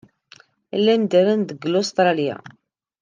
Llan ddren deg Ustṛalya.